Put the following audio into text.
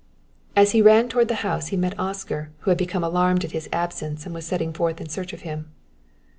As he ran toward the house he met Oscar, who had become alarmed at his absence and was setting forth in search of him.